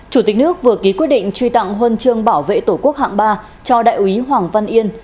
chủ tịch nước vừa ký quyết định truy tặng huân chương bảo vệ tổ quốc hạng ba cho đại úy hoàng văn yên